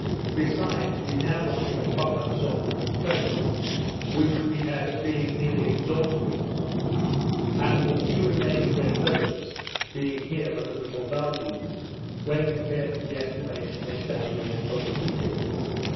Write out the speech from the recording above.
Besides, we now wanted a proper assortment of trade; what we had being nearly exhausted, and the few remaining red feathers being here but of little value, when compared to the estimation they stand in at Otaheite.